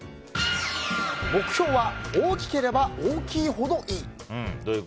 目標は大きければ大きいほどいい。